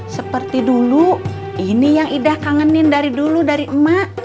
seperti dulu ini yang ida kangenin dari dulu dari emak